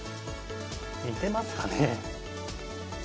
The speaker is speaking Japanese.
似てますかね？